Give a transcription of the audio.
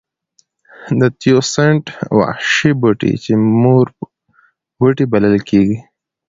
د تیوسینټ وحشي بوټی چې مور بوټی بلل کېږي.